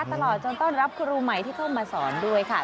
ตลอดจนต้อนรับครูใหม่ที่เข้ามาสอนด้วยค่ะ